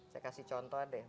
saya kasih contoh deh